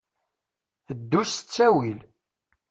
Ddu s ttawil.